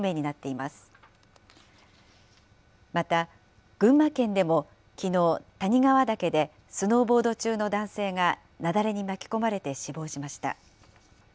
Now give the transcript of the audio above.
また、群馬県でもきのう、谷川岳でスノーボード中の男性が雪崩に巻き込まれて死亡しました。